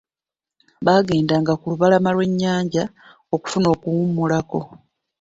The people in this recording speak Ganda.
Baagendanga ku lubalama lw'ennyanja okufuna okuwumulako.